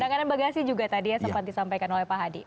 penanganan bagasi juga tadi ya sempat disampaikan oleh pak hadi